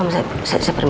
om saya permisi sebentar om